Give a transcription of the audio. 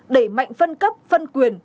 để mạnh phân cấp phân quyền